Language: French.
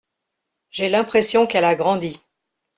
J’ai l’impression qu’elle a grandi.